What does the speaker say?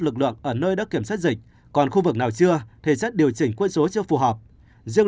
quân ở nơi đã kiểm soát dịch còn khu vực nào chưa thì sẽ điều chỉnh quân số cho phù hợp riêng